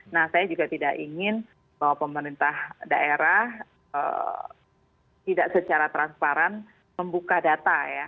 nah saya juga tidak ingin bahwa pemerintah daerah tidak secara transparan membuka data ya